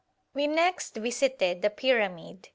We next visited the pyramid.